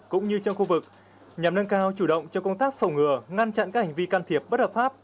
cũng như trong khu vực nhằm nâng cao chủ động cho công tác phòng ngừa ngăn chặn các hành vi can thiệp bất hợp pháp